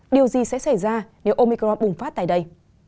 điều gì sẽ xảy ra nếu omicro bùng phát tại đây